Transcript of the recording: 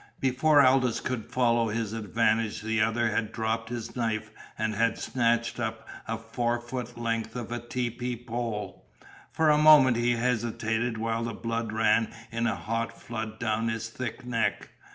Before Aldous could follow his advantage the other had dropped his knife and had snatched up a four foot length of a tepee pole. For a moment he hesitated while the blood ran in a hot flood down his thick neck.